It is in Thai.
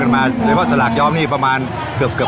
ถ้างั้นยังไกลลงควรอาจารย์ไปดูข้างในได้ไหมครับ